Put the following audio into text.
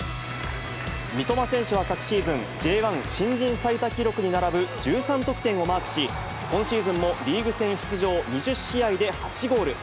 三笘選手は昨シーズン、Ｊ１新人最多記録に並ぶ、１３得点をマークし、今シーズンもリーグ戦出場２０試合で８ゴール。